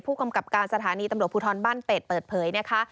ผู้กำกับการสถานีตำรวจภูทรบ้านเป็ดเปิดเผยนะคะ